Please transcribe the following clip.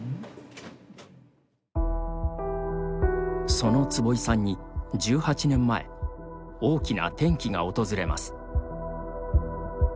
その坪井さんに、１８年前大きな転機が訪れます。